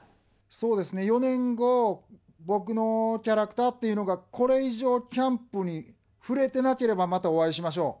そうですね、４年後、僕のキャラクターっていうのが、これ以上、キャンプに振れてなければまたお会いしましょう。